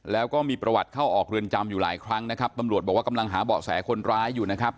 แล้วก็มีประวัติเข้าออกเรือนจำอยู่หลายครั้งนะครับตำรวจบอกว่ากำลังหาเบาะแสคนร้ายอยู่นะครับ